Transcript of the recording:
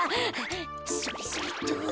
それっそれっと。